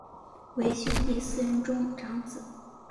为兄弟四人中长子。